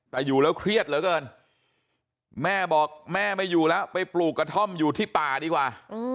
แต่อยู่แล้วเครียดเหลือเกินแม่บอกแม่ไม่อยู่แล้วไปปลูกกระท่อมอยู่ที่ป่าดีกว่า